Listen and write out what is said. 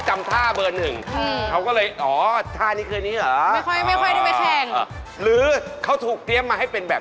จะได้เห็นลายกล้ามเนื้อชัดครับ